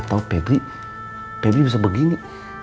atau febri bisa begini